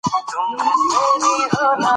ماشومان د کیسو اورېدل ډېر خوښوي.